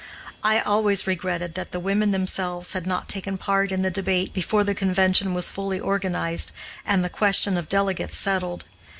I always regretted that the women themselves had not taken part in the debate before the convention was fully organized and the question of delegates settled.